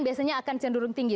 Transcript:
biasanya akan cenderung tinggi